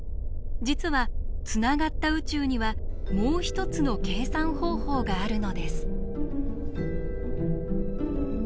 実はつながった宇宙にはもう一つの計算方法があるのです。